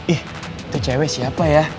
ih itu cewek siapa ya